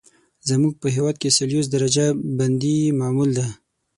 زموږ په هېواد کې سلسیوس درجه بندي معمول ده.